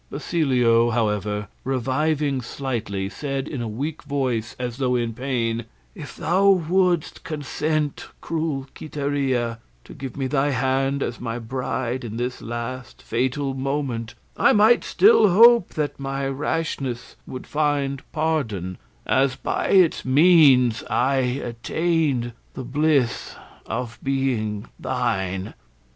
Basilio, however, reviving slightly, said in a weak voice, as though in pain, "If thou wouldst consent, cruel Quiteria, to give me thy hand as my bride in this last fatal moment, I might still hope that my rashness would find pardon, as by its means I attained the bliss of being thine."